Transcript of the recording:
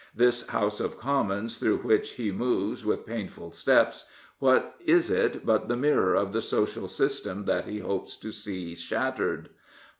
This House of Commons through which he moves with painful steps, what is it but the mirror of the social system that he hopes to see shattered?